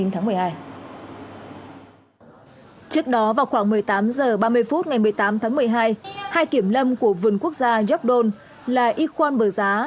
trước đó vào khoảng một mươi tám h ba mươi phút ngày một mươi tám tháng một mươi hai hai kiểm lâm của vườn quốc gia york don là y khoan bờ giá